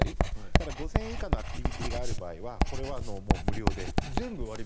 ５０００円以下のアクティビティーがある場合は無料で。